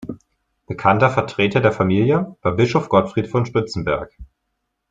Bekannter Vertreter der Familie war Bischof Gottfried von Spitzenberg.